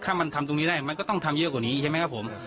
ถ้ามันทำตรงนี้ได้มันก็ต้องทำเยอะกว่านี้ใช่ไหมครับผม